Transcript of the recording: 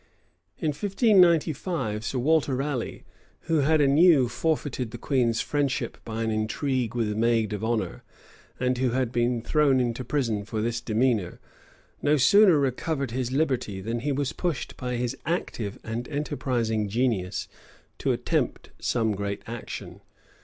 In 1595, Sir Walter Raleigh, who had anew forfeited the queen's friendship by an intrigue with a maid of honor, and who had been thrown into prison for this misdemeanor, no sooner recovered his liberty, than he was pushed by his active and enterprising genius to attempt some great action.